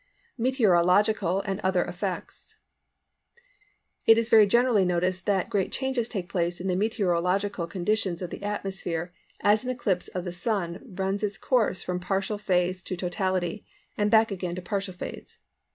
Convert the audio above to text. METEOROLOGICAL AND OTHER EFFECTS. It is very generally noticed that great changes take place in the meteorological conditions of the atmosphere as an eclipse of the Sun runs its course from partial phase to totality, and back again to partial phase.